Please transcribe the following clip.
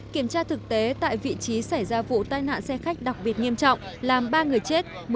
kiểm tra thực tế tại vị trí xảy ra vụ tai nạn xe khách đặc biệt nghiêm trọng làm ba người chết